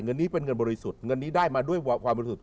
เงินนี้เป็นเงินบริสุทธิ์เงินนี้ได้มาด้วยความบริสุทธิ์